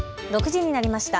６時になりました。